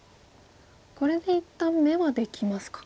これで一旦眼はできますか。